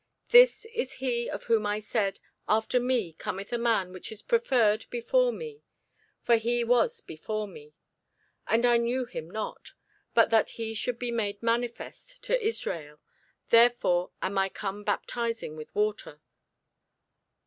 This is he of whom I said, After me cometh a man which is preferred before me: for he was before me. And I knew him not: but that he should be made manifest to Israel, therefore am I come baptizing with water.